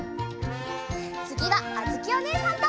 つぎはあづきおねえさんと！